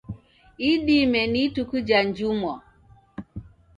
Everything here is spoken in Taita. Idime ni ituku jha njumwa.